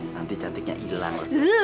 nanti cantiknya ilang